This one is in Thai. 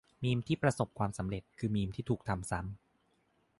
- มีมที่ประสบความสำเร็จ คือมีมที่ถูกทำซ้ำ